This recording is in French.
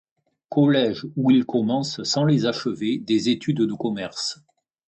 College où il commence, sans les achever, des études de commerce.